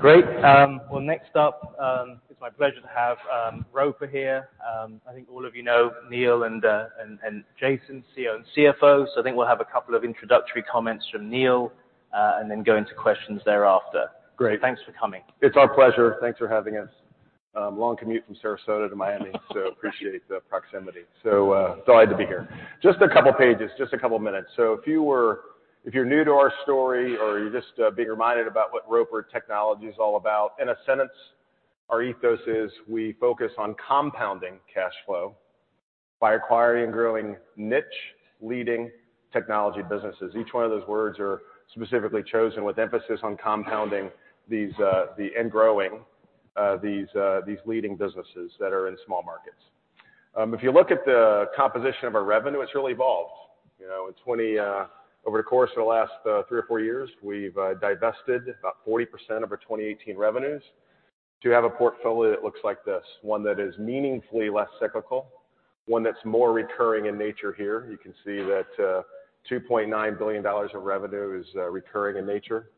Great. well, next up, it's my pleasure to have Roper here. I think all of you know Neil and Jason, CEO and CFO. I think we'll have a couple of introductory comments from Neil, and then go into questions thereafter. Great. Thanks for coming. It's our pleasure. Thanks for having us. Long commute from Sarasota to Miami, appreciate the proximity. Delighted to be here. Just a couple pages, just a couple minutes. If you're new to our story or you're just being reminded about what Roper Technologies is all about, in a sentence, our ethos is we focus on compounding cash flow by acquiring and growing niche leading technology businesses. Each one of those words are specifically chosen with emphasis on compounding these and growing these leading businesses that are in small markets. If you look at the composition of our revenue, it's really evolved. You know, in 20 over the course of the last three or four years, we've divested about 40% of our 2018 revenues to have a portfolio that looks like this, one that is meaningfully less cyclical, one that's more recurring in nature here. You can see that $2.9 billion of revenue is recurring in nature.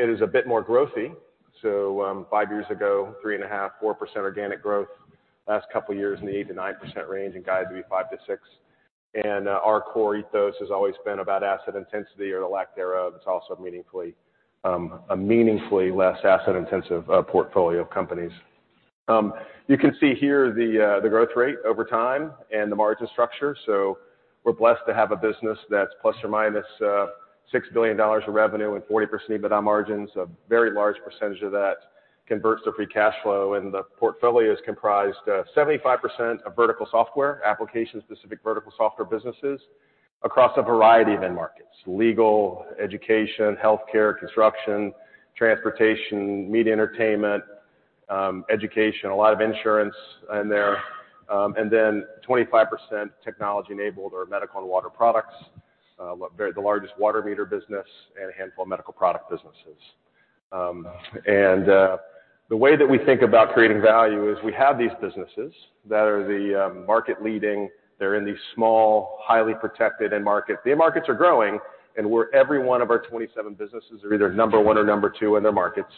It is a bit more growthy. Five years ago, 3.5%-4% organic growth. Last couple of years in the 8%-9% range and guided to be 5%-6%. Our core ethos has always been about asset intensity or the lack thereof. It's also meaningfully a meaningfully less asset-intensive portfolio of companies. You can see here the growth rate over time and the margin structure. We're blessed to have a business that's plus or minus $6 billion of revenue and 40% EBITDA margins. A very large percentage of that converts to free cash flow. The portfolio is comprised of 75% of vertical software, application-specific vertical software businesses across a variety of end markets: legal, education, healthcare, construction, transportation, media entertainment, education, a lot of insurance in there. 25% technology-enabled or medical and water products. The largest water meter business and a handful of medical product businesses. The way that we think about creating value is we have these businesses that are the market leading. They're in these small, highly protected end market. The end markets are growing, every one of our 27 businesses are either number one or number two in their markets,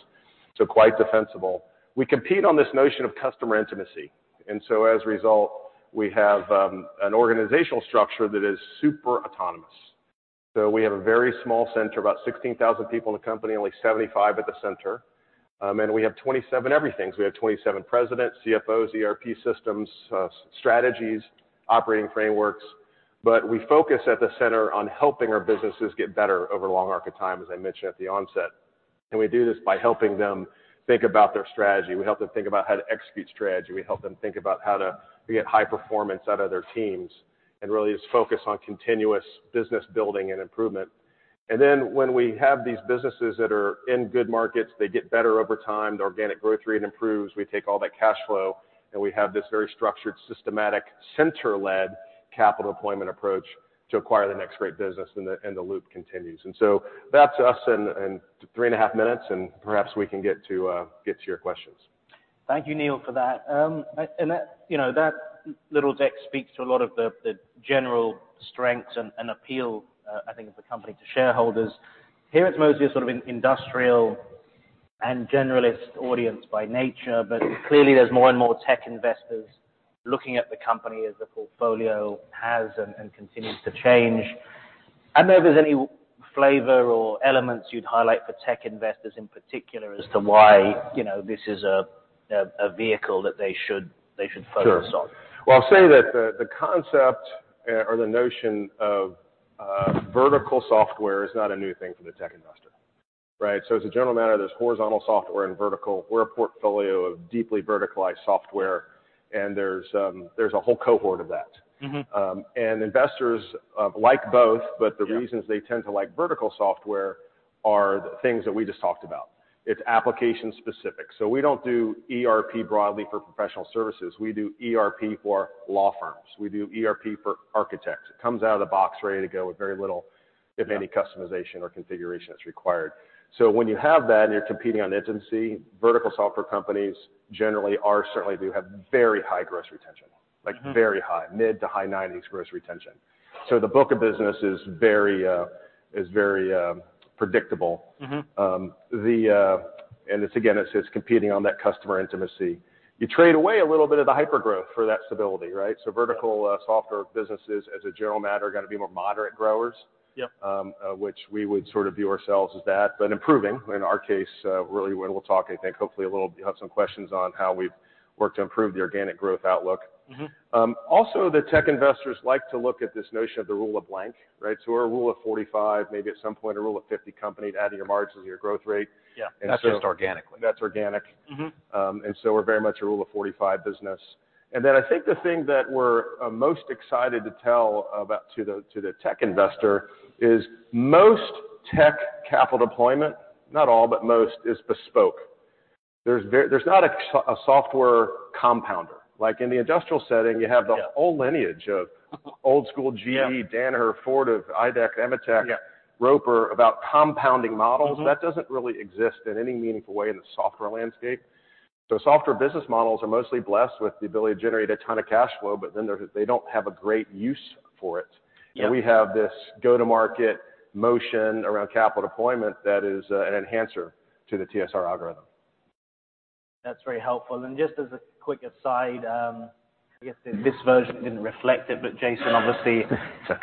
so quite defensible. We compete on this notion of customer intimacy. As a result, we have an organizational structure that is super autonomous. We have a very small center, about 16,000 people in the company, only 75 at the center. We have 27 everything. We have 27 presidents, CFOs, ERP systems, strategies, operating frameworks. We focus at the center on helping our businesses get better over a long arc of time, as I mentioned at the onset. We do this by helping them think about their strategy. We help them think about how to execute strategy. We help them think about how to get high performance out of their teams and really just focus on continuous business building and improvement. When we have these businesses that are in good markets, they get better over time. The organic growth rate improves. We take all that cash flow, we have this very structured, systematic, center-led capital deployment approach to acquire the next great business, and the loop continues. That's us in 3.5 minutes, and perhaps we can get to, get to your questions. Thank you, Neil, for that. That, you know, that little deck speaks to a lot of the general strengths and appeal, I think of the company to shareholders. Here it's mostly a sort of industrial and generalist audience by nature, but clearly there's more and more tech investors looking at the company as the portfolio has and continues to change. I don't know if there's any flavor or elements you'd highlight for tech investors in particular as to why, you know, this is a vehicle that they should focus on. Sure. Well, I'll say that the concept or the notion of, vertical software is not a new thing for the tech investor, right? As a general matter, there's horizontal software and vertical. We're a portfolio of deeply verticalized software, and there's, a whole cohort of that. Mm-hmm. Investors like both, but the reasons they tend to like vertical software are the things that we just talked about. It's application specific. We don't do ERP broadly for professional services. We do ERP for law firms. We do ERP for architects. It comes out of the box ready to go with very little, if any, customization or configuration that's required. When you have that, and you're competing on intimacy, vertical software companies generally do have very high gross retention, like very high, mid-to-high 90s gross retention. The book of business is very predictable. Mm-hmm. It's again, it's just competing on that customer intimacy. You trade away a little bit of the hypergrowth for that stability, right? Yeah. Vertical software businesses, as a general matter, are gonna be more moderate growers. Yep. Which we would sort of view ourselves as that, improving in our case, really when we'll talk. You have some questions on how we've worked to improve the organic growth outlook. Mm-hmm. Also, the tech investors like to look at this notion of the Rule of blank, right? We're a Rule of 45, maybe at some point a Rule of 50 company to add to your margins and your growth rate. Yeah. And so- That's just organically. That's organic. Mm-hmm. We're very much a rule of 45 business. I think the thing that we're most excited to tell about to the tech investor is most tech capital deployment, not all, but most is bespoke. There's not a software compounder. Like in the industrial setting, you have the whole lineage of old school GE, Danaher, Fortive, IDEX, AMETEK. Yeah... Roper about compounding models. Mm-hmm. That doesn't really exist in any meaningful way in the software landscape. Software business models are mostly blessed with the ability to generate a ton of cash flow, but then they don't have a great use for it. Yeah. We have this go-to-market motion around capital deployment that is an enhancer to the TSR algorithm. That's very helpful. Just as a quick aside, I guess this version didn't reflect it, but Jason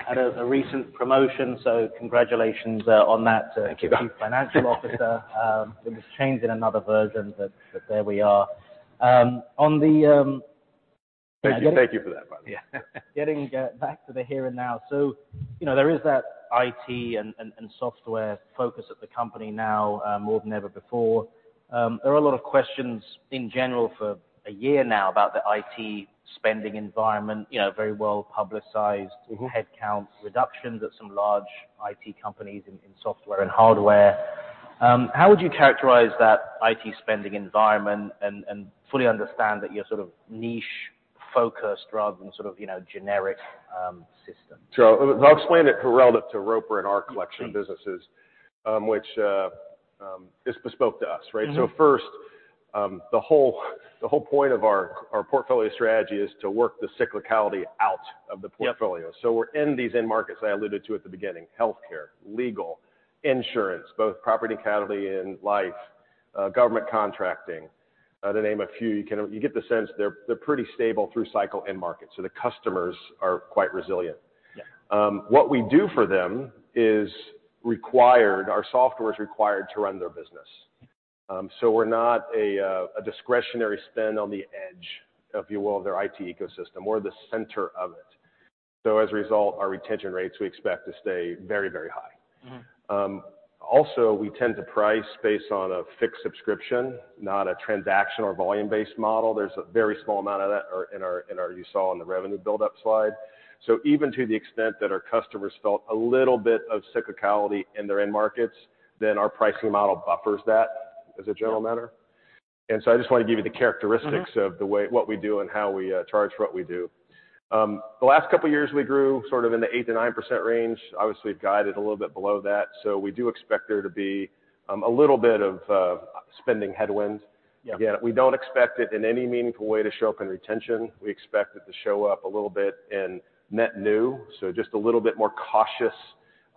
had a recent promotion, so congratulations on that Chief Financial Officer. It was changed in another version, but there we are. Thank you for that, by the way. Getting back to the here and now. You know, there is that IT and software focus at the company now, more than ever before. There are a lot of questions in general for a year now about the IT spending environment, you know, very well-publicized headcount reductions at some large IT companies in software and hardware. How would you characterize that IT spending environment and fully understand that you're sort of niche-focused rather than sort of, you know, generic system? I'll explain it relative to Roper and our collection of businesses, which is bespoke to us, right? First, the whole point of our portfolio strategy is to work the cyclicality out of the portfolio. Yep. We're in these end markets I alluded to at the beginning: healthcare, legal, insurance, both property and casualty and life, government contracting, to name a few. You get the sense they're pretty stable through cycle end markets, the customers are quite resilient. Yeah. What we do for them is required. Our software is required to run their business. We're not a discretionary spend on the edge, if you will, of their IT ecosystem. We're the center of it. As a result, our retention rates, we expect to stay very high. Mm-hmm. Also, we tend to price based on a fixed subscription, not a transaction or volume-based model. There's a very small amount of that are in our you saw in the revenue buildup slide. Even to the extent that our customers felt a little bit of cyclicality in their end markets, then our pricing model buffers that as a general matter. I just want to give you the characteristics of what we do and how we charge what we do. The last couple of years, we grew sort of in the 8%-9% range. Obviously, we've guided a little bit below that. We do expect there to be a little bit of spending headwind. Yeah. Again, we don't expect it in any meaningful way to show up in retention. We expect it to show up a little bit in net new. Just a little bit more cautious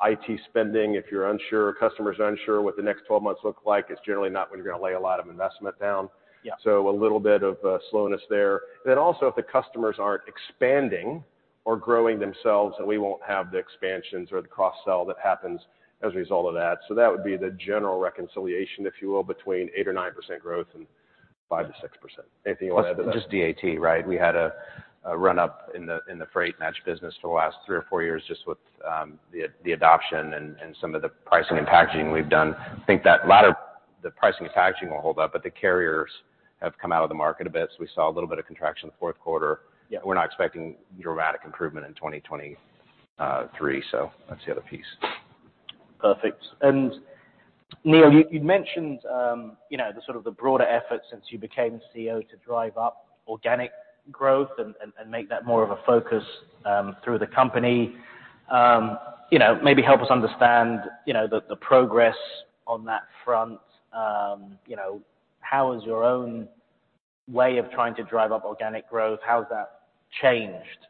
IT spending. If you're unsure, customers are unsure what the next 12 months look like, it's generally not when you're gonna lay a lot of investment down. Yeah. A little bit of slowness there. Also, if the customers aren't expanding or growing themselves, then we won't have the expansions or the cross-sell that happens as a result of that. That would be the general reconciliation, if you will, between 8% or 9% growth and 5%-6%. Anything you want to add to that? Just DAT, right? We had a run up in the freight match business for the last 3 or 4 years, just with the adoption and some of the pricing and packaging we've done. I think that a lot of the pricing and packaging will hold up, but the carriers have come out of the market a bit. We saw a little bit of contraction in the fourth quarter. Yeah. We're not expecting dramatic improvement in 2023. That's the other piece. Perfect. Neil, you'd mentioned, you know, the sort of the broader effort since you became CEO to drive up organic growth and make that more of a focus through the company. You know, maybe help us understand, you know, the progress on that front. You know, how has your own way of trying to drive up organic growth, how has that changed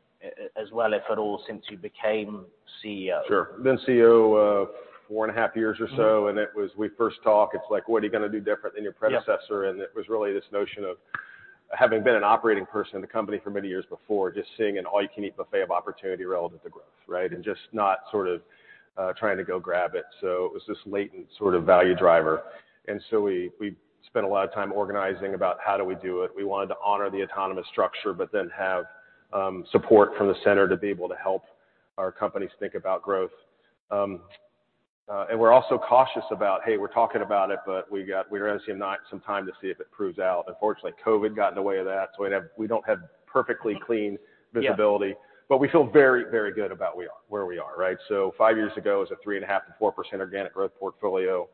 as well, if at all, since you became CEO? Sure. I've been CEO, 4.5 years or so, we first talk, it's like, "What are you gonna do different than your predecessor?" Yeah. It was really this notion of having been an operating person in the company for many years before, just seeing an all-you-can-eat buffet of opportunity relevant to growth, right? Just not sort of trying to go grab it. It was this latent sort of value driver. We spent a lot of time organizing about how do we do it. We wanted to honor the autonomous structure, have support from the center to be able to help our companies think about growth. We're also cautious about, hey, we're talking about it, we obviously have not some time to see if it proves out. Unfortunately, COVID got in the way of that, we don't have perfectly clean visibility. Yeah. We feel very, very good about where we are, right? Five years ago, it was a 3.5%-4% organic growth portfolio.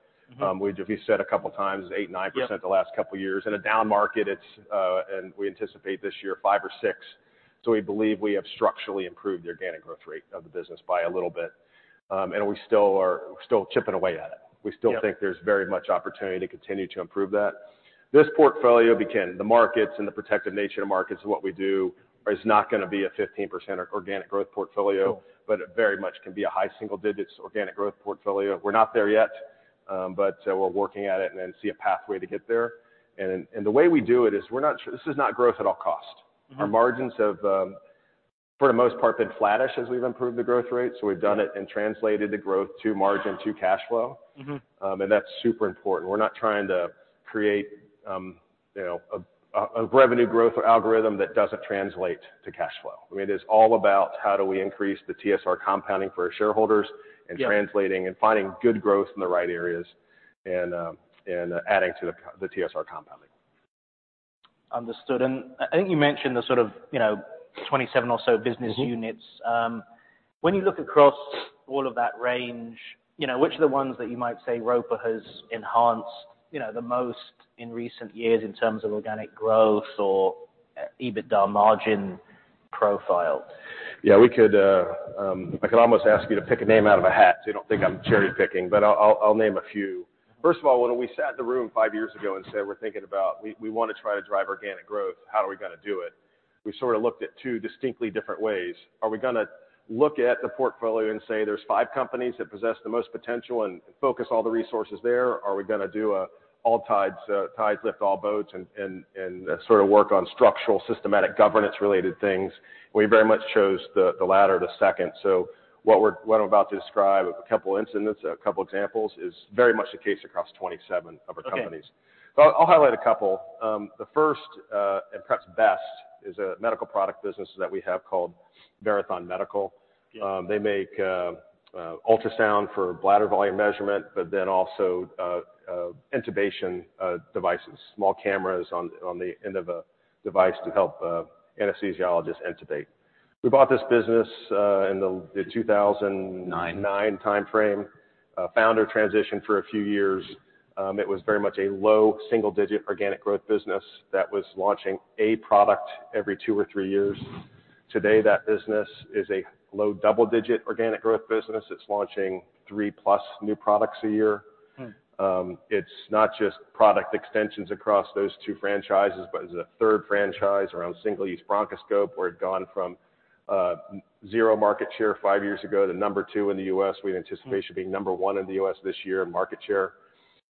We said a couple of times, 8%-9% the last couple of years. In a down market, it's, and we anticipate this year, 5% or 6%. We believe we have structurally improved the organic growth rate of the business by a little bit. And we're still chipping away at it. Yeah. We still think there's very much opportunity to continue to improve that. This portfolio, again, the markets and the protective nature of markets of what we do is not gonna be a 15% organic growth portfolio. It very much can be a high single digits organic growth portfolio. We're not there yet, but we're working at it and then see a pathway to get there. The way we do it is we're not this is not growth at all cost. Mm-hmm. Our margins have, for the most part, been flattish as we've improved the growth rate. We've done it and translated the growth to margin to cash flow. That's super important. We're not trying to create, you know, a revenue growth algorithm that doesn't translate to cash flow. I mean, it is all about how do we increase the TSR compounding for our shareholders. Yeah, translating and finding good growth in the right areas and adding to the TSR compounding. Understood. I think you mentioned the sort of, you know, 27 or so business units. When you look across all of that range, you know, which are the ones that you might say Roper has enhanced, you know, the most in recent years in terms of organic growth or- EBITDA margin profile. Yeah, we could, I could almost ask you to pick a name out of a hat, so you don't think I'm cherry-picking, but I'll name a few. First of all, when we sat in the room 5 years ago and said, we're thinking about we want to try to drive organic growth, how are we gonna do it? We sort of looked at 2 distinctly different ways. Are we gonna look at the portfolio and say there's 5 companies that possess the most potential and focus all the resources there, or are we gonna do a all tides lift all boats and sort of work on structural, systematic, governance-related things? We very much chose the latter, the second. what I'm about to describe, a couple incidents, a couple examples, is very much the case across 27 of our companies. Okay. I'll highlight a couple. The first, and perhaps best is a medical product business that we have called Verathon Medical. Yeah. They make ultrasound for bladder volume measurement, but then also intubation devices. Small cameras on the end of a device to help anesthesiologists intubate. We bought this business in the 2000- Nine. 9 timeframe. founder transitioned for a few years. It was very much a low single-digit organic growth business that was launching a product every 2 or 3 years. Today, that business is a low double-digit organic growth business. It's launching 3-plus new products a year. Mm. It's not just product extensions across those two franchises, but is a third franchise around single-use bronchoscope, where it'd gone from 0 market share five years ago to number two in the U.S. We anticipate should be number one in the U.S. this year in market share.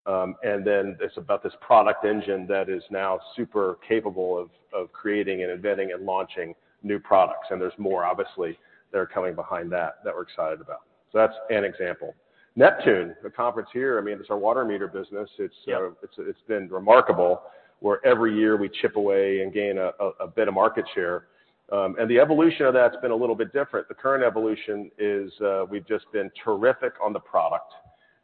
It's about this product engine that is now super capable of creating and inventing and launching new products. There's more obviously that are coming behind that we're excited about. So that's an example. Neptune, the conference here, I mean, it's our water meter business. Yeah. It's been remarkable where every year we chip away and gain a bit of market share. The evolution of that's been a little bit different. The current evolution is, we've just been terrific on the product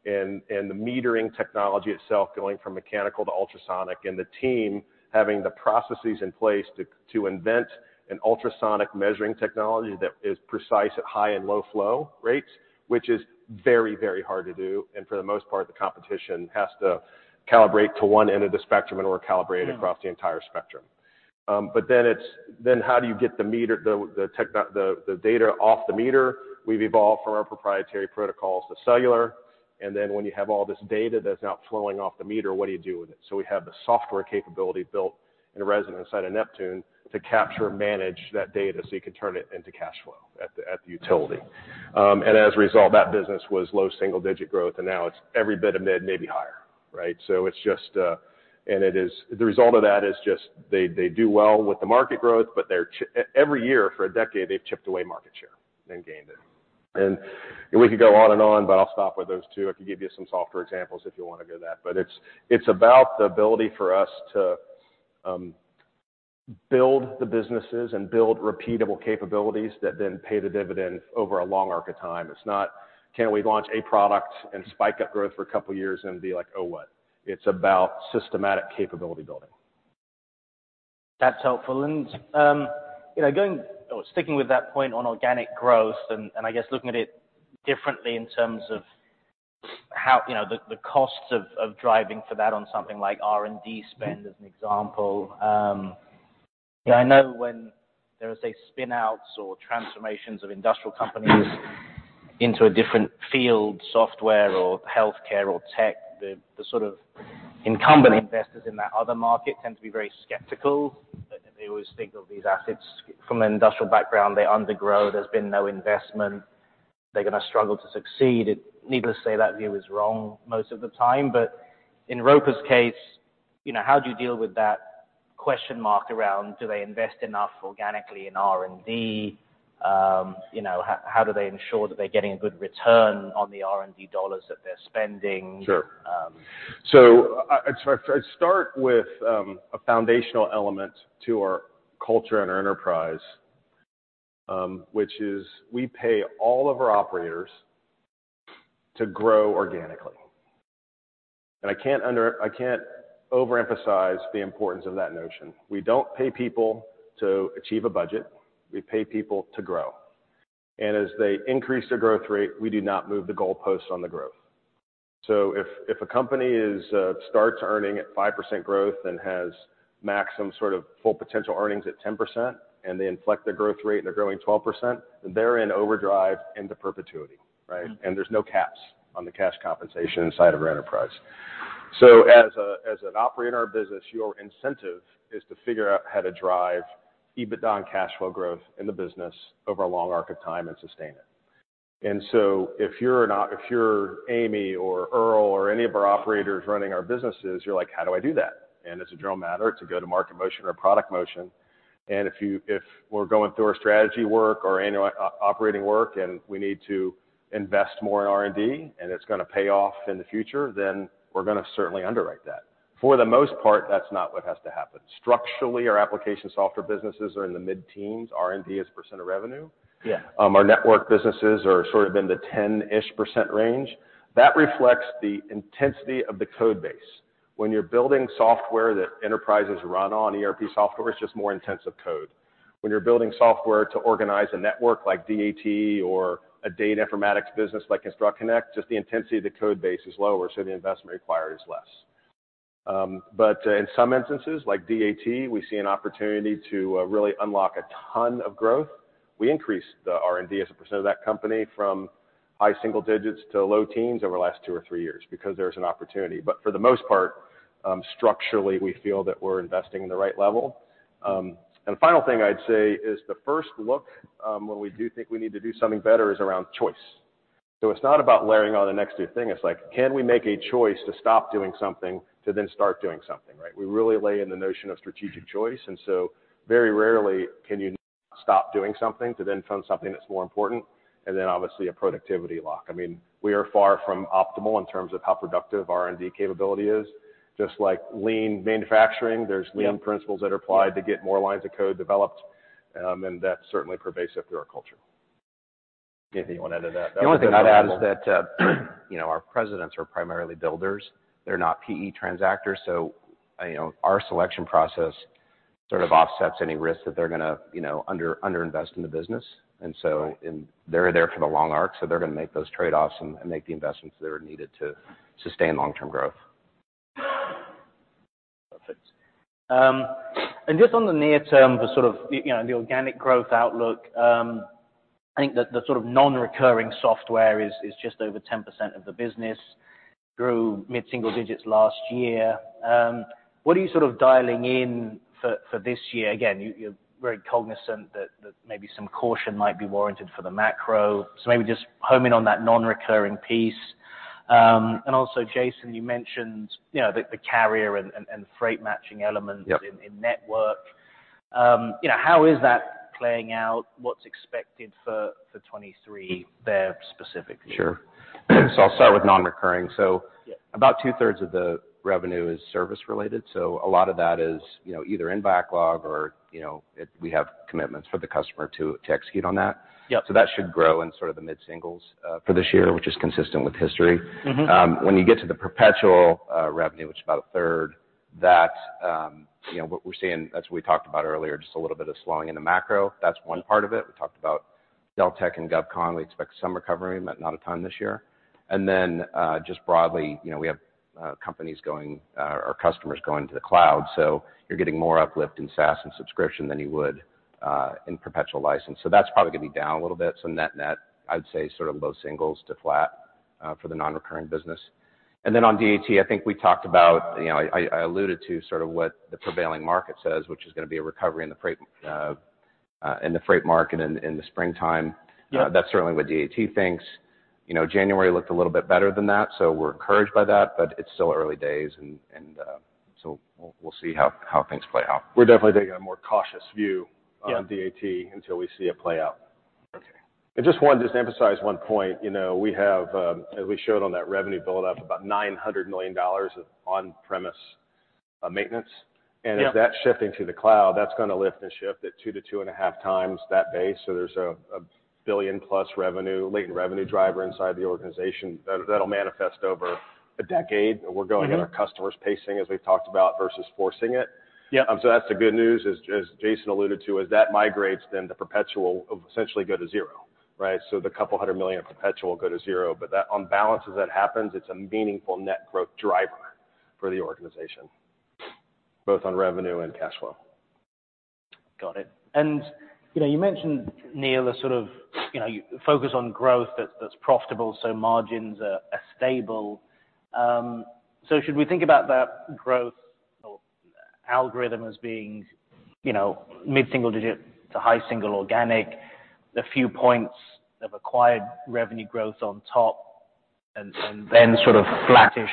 and the metering technology itself going from mechanical to ultrasonic, and the team having the processes in place to invent an ultrasonic measuring technology that is precise at high and low flow rates, which is very, very hard to do. For the most part, the competition has to calibrate to one end of the spectrum, and we're calibrated across the entire spectrum. How do you get the meter, the data off the meter? We've evolved from our proprietary protocols to cellular, then when you have all this data that's now flowing off the meter, what do you do with it? We have the software capability built in residence inside of Neptune to capture and manage that data so you can turn it into cash flow at the utility. As a result, that business was low single-digit growth, and now it's every bit of mid, maybe higher, right? It's just the result of that is they do well with the market growth, but they're every year for a decade, they've chipped away market share and gained it. We could go on and on, but I'll stop with those two. I could give you some software examples if you want to go to that. It's about the ability for us to build the businesses and build repeatable capabilities that then pay the dividend over a long arc of time. It's not, can we launch a product and spike up growth for a couple of years and be like, "Oh, what?" It's about systematic capability building. That's helpful. you know, or sticking with that point on organic growth and I guess looking at it differently in terms of how, you know, the costs of driving for that on something like R&D spend, as an example. you know, I know when there is, say, spin-outs or transformations of industrial companies into a different field, software or healthcare or tech, the sort of incumbent investors in that other market tend to be very skeptical. They always think of these assets from an industrial background, they undergrow, there's been no investment. They're gonna struggle to succeed. Needless to say, that view is wrong most of the time. In Roper's case, you know, how do you deal with that question mark around, do they invest enough organically in R&D? You know, how do they ensure that they're getting a good return on the R&D dollars that they're spending? Sure. Um- I try to start with a foundational element to our culture and our enterprise, which is we pay all of our operators to grow organically. I can't overemphasize the importance of that notion. We don't pay people to achieve a budget. We pay people to grow. As they increase their growth rate, we do not move the goalpost on the growth. If a company is starts earning at 5% growth and has maximum sort of full potential earnings at 10%, and they inflect their growth rate and they're growing 12%, then they're in overdrive into perpetuity, right? Mm-hmm. There's no caps on the cash compensation inside of our enterprise. As an operator in our business, your incentive is to figure out how to drive EBITDA and cash flow growth in the business over a long arc of time and sustain it. If you're Amy or Earl or any of our operators running our businesses, you're like, "How do I do that?" As a general matter, it's a go-to-market motion or product motion. If we're going through our strategy work or annual operating work and we need to invest more in R&D and it's gonna pay off in the future, we're gonna certainly underwrite that. For the most part, that's not what has to happen. Structurally, our application software businesses are in the mid-teens. R&D is % of revenue. Yeah. Our network businesses are sort of in the 10-ish% range. That reflects the intensity of the code base. When you're building software that enterprises run on, ERP software, it's just more intensive code. When you're building software to organize a network like DAT or a data informatics business like ConstructConnect, just the intensity of the code base is lower, so the investment required is less. In some instances, like DAT, we see an opportunity to really unlock a ton of growth. We increased the R&D as a % of that company from high single digits to low teens over the last 2 or 3 years because there's an opportunity. For the most part, structurally, we feel that we're investing in the right level. The final thing I'd say is the first look, when we do think we need to do something better is around choice. It's not about layering on the next new thing, it's like, can we make a choice to stop doing something to then start doing something, right? We really lay in the notion of strategic choice, very rarely can you stop doing something to then fund something that's more important. Obviously a productivity lock. I mean, we are far from optimal in terms of how productive our R&D capability is. Just like lean manufacturing, there's lean principles that are applied to get more lines of code developed, and that's certainly pervasive through our culture. If you wanna add to that would be incredible. The only thing I'd add is that, you know, our presidents are primarily builders. They're not PE transactors. You know, our selection process sort of offsets any risk that they're gonna, you know, under-invest in the business. They're there for the long arc, so they're gonna make those trade-offs and make the investments that are needed to sustain long-term growth. Perfect. Just on the near term, the sort of, you know, the organic growth outlook, I think the sort of non-recurring software is just over 10% of the business, grew mid-single digits last year. What are you sort of dialing in for this year? Again, you're very cognizant that maybe some caution might be warranted for the macro. Maybe just hone in on that non-recurring piece. Also, Jason, you mentioned, you know, the carrier and freight matching elements- Yep. in network. you know, how is that playing out? What's expected for 2023 there specifically? Sure. I'll start with non-recurring. Yeah. Two-thirds of the revenue is service-related, a lot of that is, you know, either in backlog or, you know, we have commitments for the customer to execute on that. Yep. That should grow in sort of the mid-singles, for this year, which is consistent with history. Mm-hmm. When you get to the perpetual revenue, which is about 1/3, that, you know, what we're seeing, that's what we talked about earlier, just a little bit of slowing in the macro. That's one part of it. We talked about Deltek and GovCon, we expect some recovery, but not a ton this year. Then, just broadly, you know, we have companies going, or customers going to the cloud, so you're getting more uplift in SaaS and subscription than you would in perpetual license. That's probably gonna be down a little bit. Net-net, I'd say sort of low singles to flat for the non-recurring business. On DAT, I think we talked about, you know, I alluded to sort of what the prevailing market says, which is gonna be a recovery in the freight market in the springtime. Yeah. That's certainly what DAT thinks. You know, January looked a little bit better than that, so we're encouraged by that, but it's still early days, so we'll see how things play out. We're definitely taking a more cautious view. Yeah. -on DAT until we see it play out. Okay. I just wanted to emphasize 1 point. You know, we have, as we showed on that revenue build-up, about $900 million of on-premise maintenance. Yeah. As that's shifting to the cloud, that's gonna lift and shift at 2-2.5 times that base. There's a $1 billion-plus revenue, latent revenue driver inside the organization that'll manifest over a decade. We're going at our customers' pacing, as we've talked about, versus forcing it. Yeah. That's the good news, as Jason alluded to, as that migrates, then the perpetual will essentially go to zero, right? The $200 million of perpetual go to zero. On balance, as that happens, it's a meaningful net growth driver for the organization, both on revenue and cash flow. Got it. You know, you mentioned, Neil, a sort of, you know, focus on growth that's profitable, so margins are stable. Should we think about that growth algorithm as being, you know, mid-single digit to high single organic, the few points of acquired revenue growth on top and then sort of flattish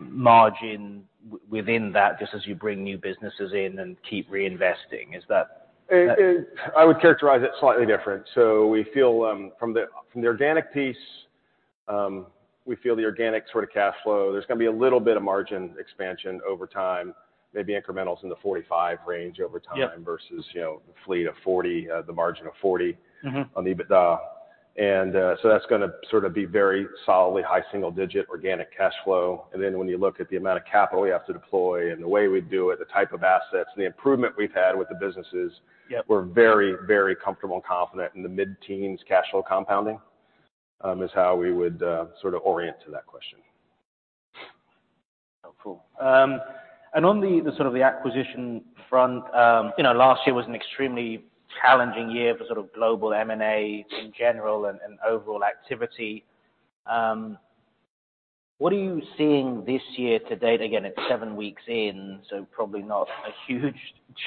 margin within that, just as you bring new businesses in and keep reinvesting? Is that. I would characterize it slightly different. We feel from the organic piece, we feel the organic sort of cash flow. There's gonna be a little bit of margin expansion over time, maybe incrementals in the 45% range over time. Yeah. -versus, you know, fleet of 40, the margin of 40- Mm-hmm. on EBITDA. So that's gonna sort of be very solidly high single digit organic cash flow. Then when you look at the amount of capital we have to deploy and the way we do it, the type of assets, the improvement we've had with the businesses. Yeah. We're very, very comfortable and confident in the mid-teens cash flow compounding, is how we would sort of orient to that question. Cool. On the sort of the acquisition front, you know, last year was an extremely challenging year for sort of global M&A in general and overall activity. What are you seeing this year to date? Again, it's seven weeks in, so probably not a huge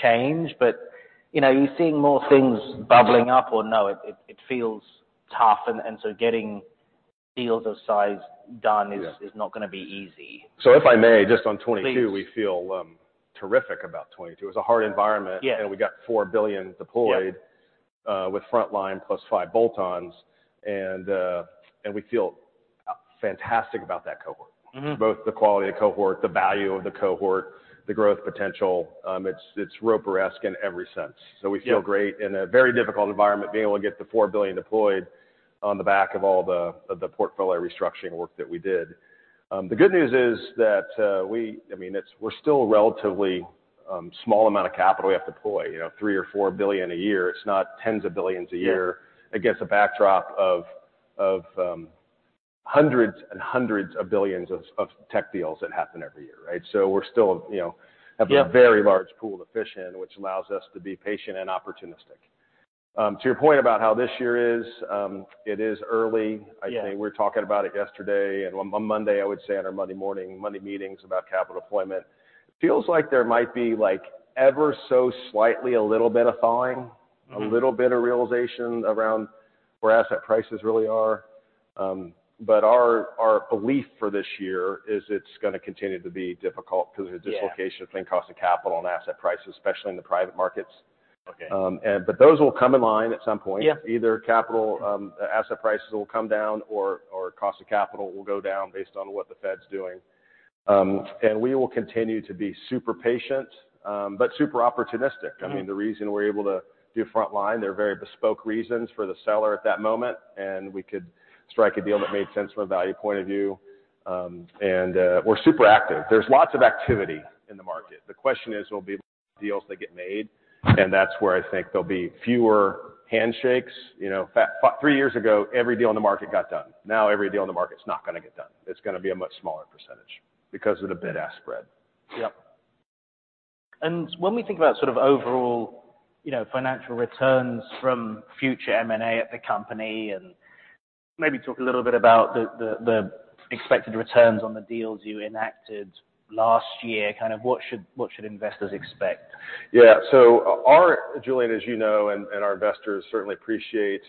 change, but, you know, are you seeing more things bubbling up or no, it feels tough and so getting deals of size done- Yeah. is not gonna be easy. If I may, just on 2022- Please. We feel terrific about 2022. It was a hard environment. Yeah. We got $4 billion deployed. Yeah. With Frontline plus 5 bolt-ons and we feel fantastic about that cohort. Mm-hmm. Both the quality of the cohort, the value of the cohort, the growth potential, it's Roper-esque in every sense. Yeah. We feel great in a very difficult environment, being able to get the $4 billion deployed on the back of all of the portfolio restructuring work that we did. The good news is that, we. I mean, we're still relatively small amount of capital we have to deploy, you know, $3 billion or $4 billion a year. It's not tens of billions a year. Yeah. Against a backdrop of hundreds of billions of tech deals that happen every year, right? We're still, you know. Yeah ...have a very large pool to fish in, which allows us to be patient and opportunistic. To your point about how this year is, it is early. Yeah. I think we were talking about it yesterday and on Monday, I would say in our Monday meetings about capital deployment. Feels like there might be, like, ever so slightly a little bit of thawing. Mm-hmm. A little bit of realization around where asset prices really are. Our belief for this year is it's gonna continue to be difficult because of the dislocation. Yeah between cost of capital and asset prices, especially in the private markets. Okay. those will come in line at some point. Yeah. Either capital, asset prices will come down or cost of capital will go down based on what the Fed's doing. We will continue to be super patient, but super opportunistic. Mm-hmm. I mean, the reason we're able to do Frontline, there are very bespoke reasons for the seller at that moment, and we could strike a deal that made sense from a value point of view. We're super active. There's lots of activity in the market. The question is, will be deals that get made, and that's where I think there'll be fewer handshakes. You know, Five three years ago, every deal on the market got done. Now every deal on the market's not gonna get done. It's gonna be a much smaller percentage because of the bid-ask spread. Yep. When we think about sort of overall, you know, financial returns from future M&A at the company, and maybe talk a little bit about the expected returns on the deals you enacted last year. Kind of what should investors expect? Julian, as you know, and our investors certainly appreciate,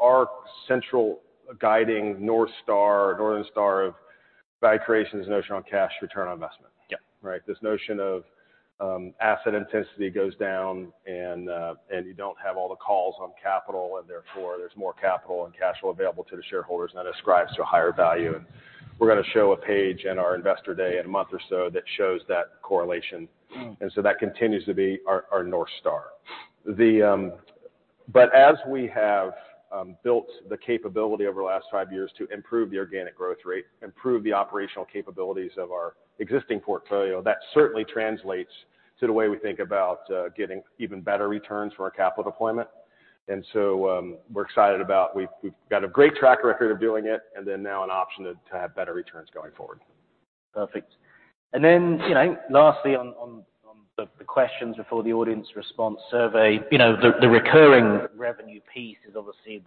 our central guiding North Star of value creation is notion on Cash Return on Investment. Yeah. Right? This notion of asset intensity goes down and you don't have all the calls on capital, and therefore there's more capital and cash flow available to the shareholders, and that ascribes to a higher value. We're gonna show a page in our investor day in a month or so that shows that correlation. Mm. That continues to be our North Star. As we have built the capability over the last 5 years to improve the organic growth rate, improve the operational capabilities of our existing portfolio, that certainly translates to the way we think about getting even better returns from our capital deployment. We're excited about we've got a great track record of doing it and then now an option to have better returns going forward. Perfect. Then, you know, lastly on the questions before the audience response survey, you know, the recurring revenue piece is obviously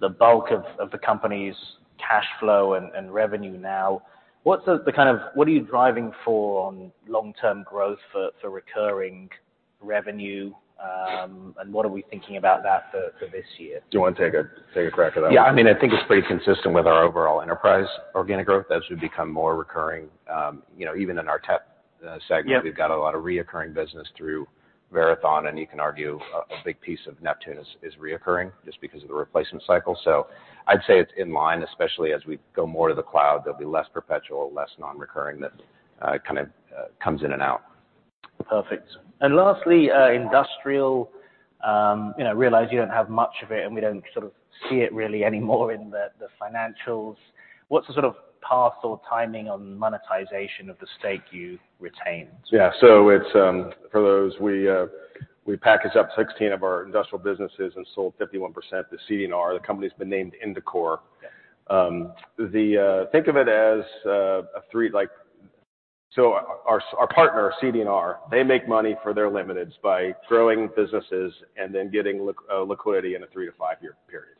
the bulk of the company's cash flow and revenue now. What are you driving for on long-term growth for recurring revenue? What are we thinking about that for this year? Do you wanna take a crack at that one? Yeah. I mean, I think it's pretty consistent with our overall enterprise organic growth as we become more recurring. you know, even in our Tech, segment- Yeah ...we've got a lot of recurring business through Verathon, and you can argue a big piece of Neptune is recurring just because of the replacement cycle. I'd say it's in line, especially as we go more to the cloud. There'll be less perpetual, less non-recurring that kind of comes in and out. Perfect. Lastly, industrial. You know, realize you don't have much of it, and we don't sort of see it really anymore in the financials. What's the sort of path or timing on monetization of the stake you retained? Yeah. It's for those we package up 16 of our industrial businesses and sold 51% to CD&R. The company's been named Indicor. Yeah. Our partner, CD&R, they make money for their limiteds by growing businesses and then getting liquidity in a 3 to 5-year period.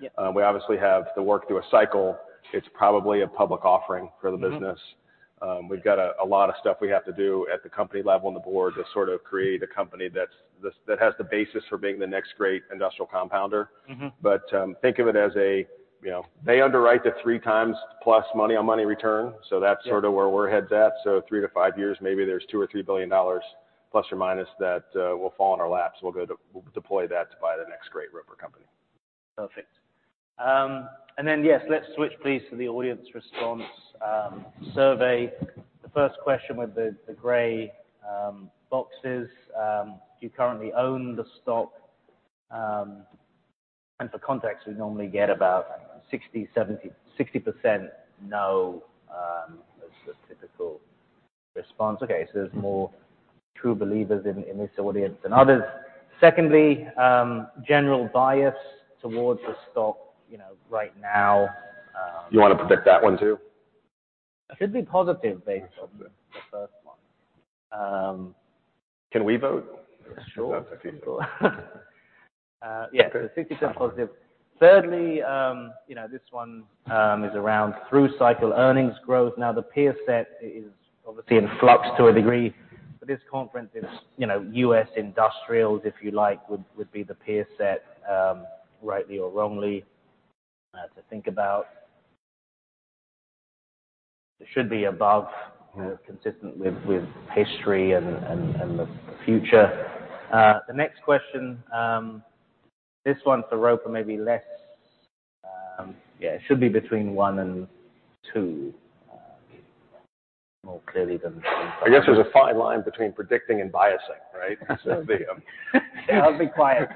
Yeah. We obviously have the work through a cycle. It's probably a public offering for the business. Mm-hmm. We've got a lot of stuff we have to do at the company level and the board to sort of create a company that has the basis for being the next great industrial compounder. Mm-hmm. Think of it as a, you know, they underwrite the 3 times plus money on money return. Yeah. That's sort of where we're heads at. Three to five years, maybe there's $2 billion or $3 billion ± that will fall in our laps. We'll deploy that to buy the next great Roper company. Perfect. Yes, let's switch please to the audience response survey. The first question with the gray boxes, do you currently own the stock? For context, we normally get about 60, 70, 60% no as the typical response. Okay. There's more true believers in this audience than others. Secondly, general bias towards the stock, you know, right now- You wanna predict that one too? Should be positive based off the first one. Can we vote? Sure. Yeah. 60% positive. Thirdly, you know, this one is around through cycle earnings growth. The peer set is obviously in flux to a degree, but this conference is, you know, U.S. industrials, if you like, would be the peer set, rightly or wrongly, to think about. It should be above- Yeah ...you know, consistent with history and the future. The next question, this one for Roper may be less. Yeah, it should be between one and two, more clearly. I guess there's a fine line between predicting and biasing, right? I'll be quiet.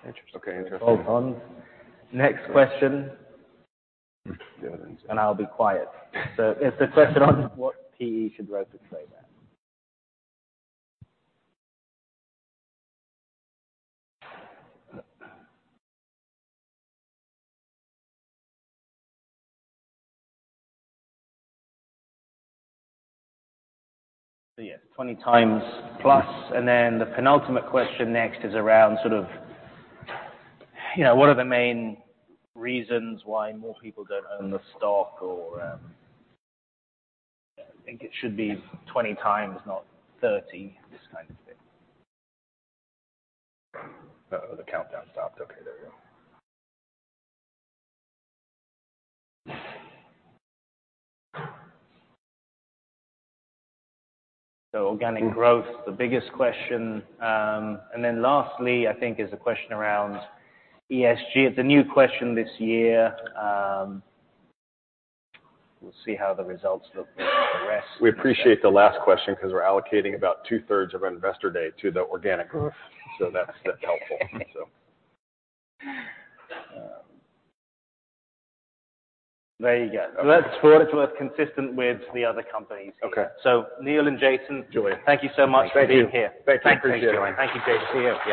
Okay. Interesting. Next question. I'll be quiet. It's the question on what PE should Roper trade at. Yeah, 20 times plus. The penultimate question next is around sort of, you know, what are the main reasons why more people don't own the stock or, I think it should be 20 times, not 30. This kind of thing. Uh-oh, the countdown stopped. Okay, there we go. Organic growth, the biggest question. Lastly, I think is a question around ESG. It's a new question this year. We'll see how the results look with the rest. We appreciate the last question because we're allocating about two-thirds of our investor day to the organic growth. That's helpful. There you go. Okay. We're consistent with the other companies here. Okay. Neil and Jason. Julian. Thank you so much for being here. Thank you. Greatly appreciate it. Thank you, Julian. Thank you, Jason. See you. Yeah.